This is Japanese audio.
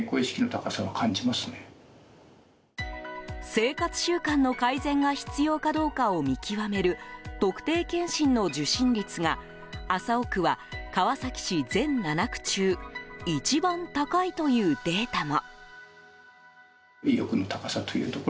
生活習慣の改善が必要かどうかを見極める特定健診の受診率が麻生区は川崎市全７区中一番高いというデータも。